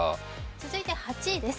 続いて８位です。